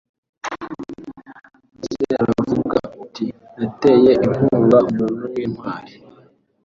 maze uravuga uti Nateye inkunga umuntu w’intwari